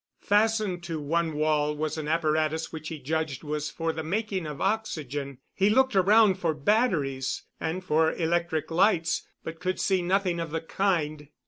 Fastened to one wall was an apparatus which he judged was for the making of oxygen. He looked around for batteries, and for electric lights, but could see nothing of the kind.